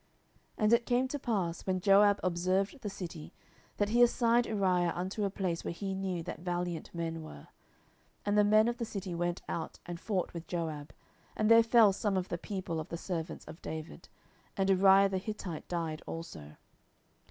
10:011:016 And it came to pass, when Joab observed the city, that he assigned Uriah unto a place where he knew that valiant men were. 10:011:017 And the men of the city went out, and fought with Joab: and there fell some of the people of the servants of David; and Uriah the Hittite died also.